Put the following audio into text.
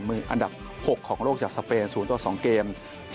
มืออันดับ๖ของโลกจากสเปน๐๒เกม